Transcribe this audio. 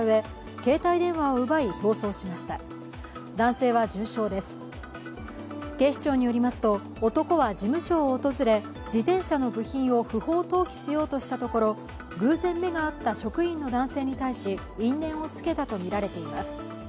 警視庁によりますと、男は事務所を訪れ、自転車の部品を不法投棄しようとしたところ偶然、目が合った職員の男性に対し因縁をつけたとみられています。